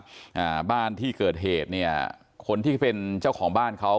อ่าบ้านที่เกิดเหตุเนี้ยคนที่เป็นเจ้าของบ้านเขา